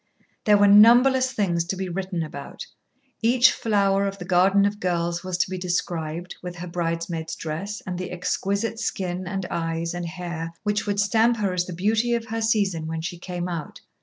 There were numberless things to be written about it. Each flower of the garden of girls was to be described, with her bridesmaid's dress, and the exquisite skin and eyes and hair which would stamp her as the beauty of her season when she came out.